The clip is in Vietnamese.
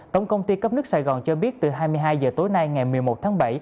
tổng công ty cấp nước sài gòn cho biết từ hai mươi hai h tối nay ngày một mươi một tháng bảy